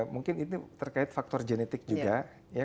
mungkin ini terkait faktor genetik juga